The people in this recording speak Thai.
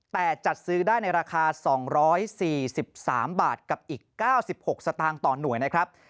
แต่จัดซื้อได้ในราคา๒๔๓บาทกับอีก๙๖สตางค์ต่อหน่วยนะครับ